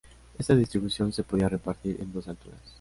Esta distribución se podía repartir en dos alturas.